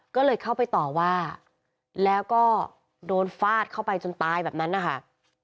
ก็เลยเข้าไปต่อว่าแล้วก็โดนฟาดเข้าไปจนตายแบบนั้นนะคะ